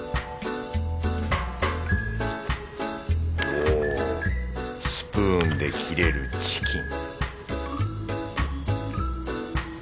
おぉスプーンで切れるチキン